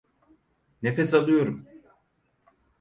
Nefes alıyorum.